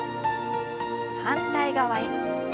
反対側へ。